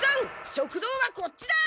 食堂はこっちだ！